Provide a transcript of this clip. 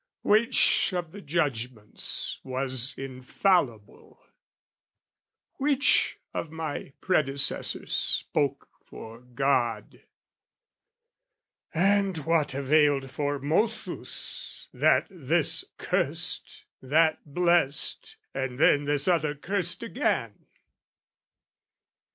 Which of the judgments was infallible? Which of my predecessors spoke for God? And what availed Formosus that this cursed, That blessed, and then this other cursed again?